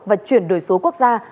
và chuyển đổi số quốc gia